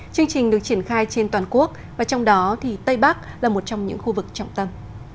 chương trình được triển khai trên toàn quốc và trong đó thì tây bắc là một trong những khu vực trọng tâm